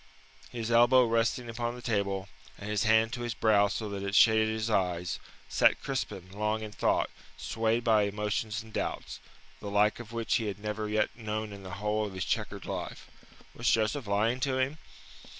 His elbow resting upon the table, and his hand to his brow so that it shaded his eyes, sat Crispin long in thought, swayed by emotions and doubts, the like of which he had never yet known in the whole of his chequered life. Was Joseph lying to him?